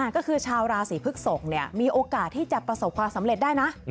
ก็คือชาวราศีพฤกษกมีโอกาสที่จะประสบความสำเร็จได้นะ